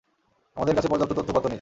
আমাদের কাছে পর্যাপ্ত তথ্য উপাত্ত নেই।